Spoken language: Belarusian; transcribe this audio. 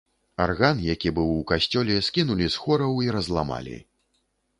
Арган, які быў у касцёле, скінулі з хораў і разламалі.